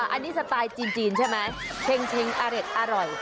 อันนี้สไตล์จีนใช่ไหมเช็งอเร็ดอร่อย